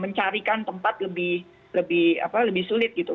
mencarikan tempat lebih sulit gitu